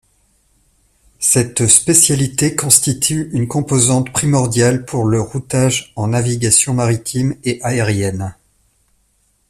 Cette spécialité constitue une composante primordiale pour le routage en navigation maritime et aérienne.